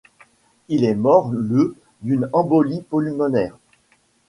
Il est mort le d'une embolie pulmonaire.